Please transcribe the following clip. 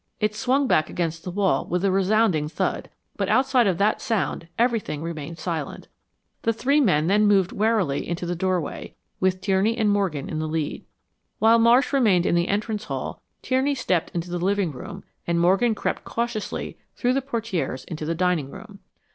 It swung back against the wall with a resounding thud, but outside of that sound everything remained silent. The three men then moved warily into the doorway, with Tierney and Morgan in the lead. While Marsh remained in the entrance hall, Tierney stepped into the living room and Morgan crept cautiously through the portieres into the dining room.